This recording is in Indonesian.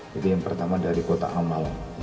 jadi yang pertama dari kotak amal